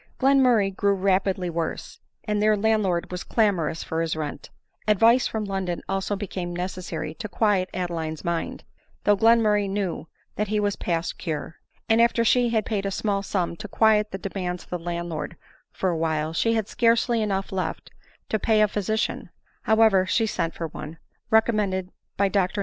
Glenmurray grew rapidly worse ; and their landlord was clamorous for his rent ; advice from London also became necessary to quiet Adeline's mind — though Glen f murray knew that he was past cure; and after she had paid a small sum to quiet the demands of the landlord for a while, she had scarcely enough left to pay a physi cian ; however, she sent for one, recommended by Dr \ i f»tmm^ 160 ADELINE MOWBRAY.